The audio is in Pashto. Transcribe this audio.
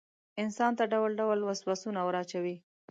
انسان ته ډول ډول وسواسونه وراچوي.